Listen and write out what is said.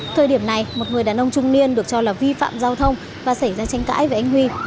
thời điểm này một người đàn ông trung niên được cho là vi phạm giao thông và xảy ra tranh cãi với anh huy